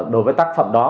đối với tác phẩm đó